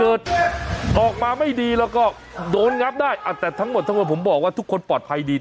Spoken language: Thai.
เกิดออกมาไม่ดีแล้วก็โดนงับได้แต่ทั้งหมดทั้งหมดผมบอกว่าทุกคนปลอดภัยดี